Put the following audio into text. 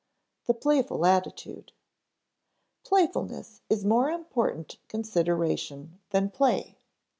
[Sidenote: The playful attitude] Playfulness is a more important consideration than play.